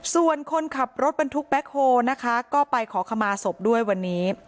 ส่วนคนขับรถบรรทุกแบ็คโฮนะคะก็ไปขอขมาศพด้วยวันนี้